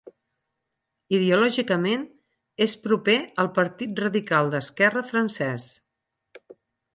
Ideològicament és proper al Partit Radical d'Esquerra francès.